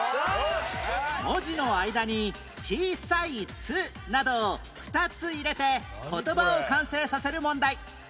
文字の間に小さい「つ」などを２つ入れて言葉を完成させる問題